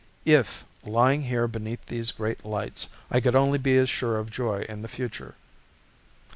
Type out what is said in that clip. If, lying here beneath these great lights, I could only be as sure of joy in the future....